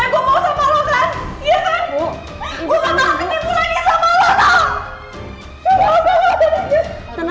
terus papa menemukan